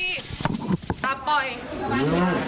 ไม่เอาไม่เอาไม่เอา